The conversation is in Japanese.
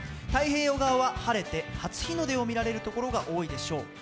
太平洋側は晴れて初日の出を見られるところが多いでしょう。